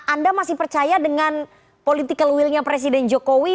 anda masih percaya dengan political will nya presiden jokowi